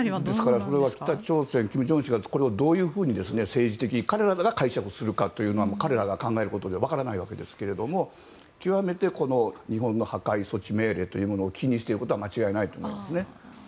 北朝鮮、金正恩氏がこれをどういうふうに政治的に解釈するというのは彼らが考えることで分からないですけども極めて日本の破壊措置命令というものを気にしているのは間違いないと思いますね。